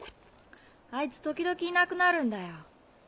あいつ時々いなくなるんだよ。